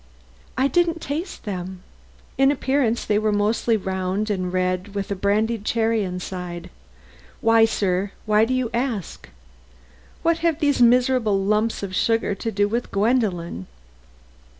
"I didn't taste them. In appearance they were mostly round and red, with a brandied cherry inside. Why, sir, why do you ask? What have these miserable lumps of sugar to do with Gwendolen?"